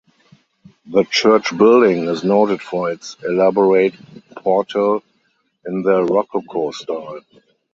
The church building is noted for its elaborate portal in the Rococo style.